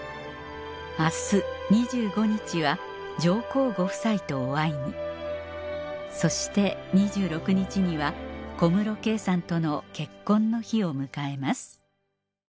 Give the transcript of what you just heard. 明日２５日は上皇ご夫妻とお会いにそして２６日には小室圭さんとの結婚の日を迎えます